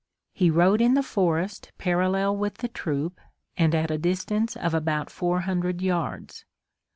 He rode in the forest parallel with the troop and at a distance of about four hundred yards.